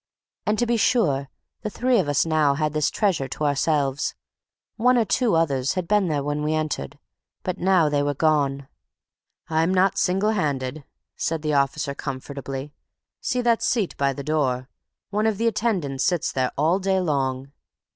And, to be sure, the three of us now had this treasury to ourselves; one or two others had been there when we entered; but now they were gone. "I'm not single handed," said the officer, comfortably. "See that seat by the door? One of the attendants sits there all day long."